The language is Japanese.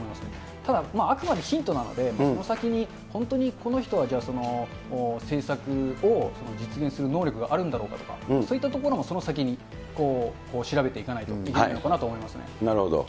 ただ、あくまでヒントなので、その先に本当にこの人は、じゃあその政策を実現する能力があるんだろうかとか、そういったところのその先に、調べていかないといけないのかななるほど。